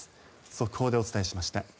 速報でお伝えしました。